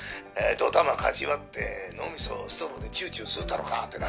「ドタマかち割って脳みそストローでチューチュー吸うたろか」ってな。